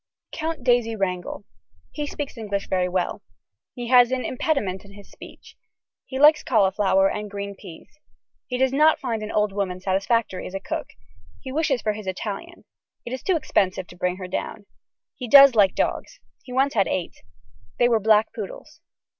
(Count Daisy Wrangel.) He speaks English very well. He has an impediment in his speech. He likes cauliflower and green peas. He does not find an old woman satisfactory as a cook. He wishes for his Italian. It is too expensive to bring her down. He does like dogs. He once had eight. They were black poodles.